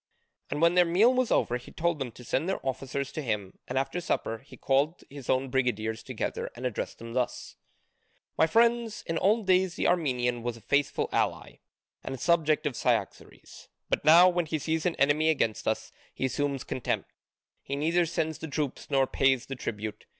And when their meal was over he told them to send their officers to him, and after supper he called his own brigadiers together and addressed them thus: "My friends, in old days the Armenian was a faithful ally and subject of Cyaxares, but now when he sees an enemy against us, he assumes contempt: he neither sends the troops nor pays the tribute.